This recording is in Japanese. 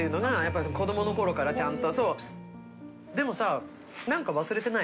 里子どもの頃からちゃんと。